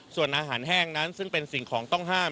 ส่วนอาหารแห้งนั้นซึ่งเป็นสิ่งของต้องห้าม